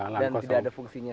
dan tidak ada fungsinya